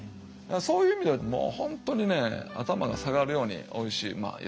そういう意味ではもう本当にね頭が下がるようにおいしいよ